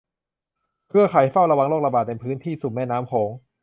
เครือข่ายเฝ้าระวังโรคระบาดในพื้นที่สุ่มแม่น้ำโขง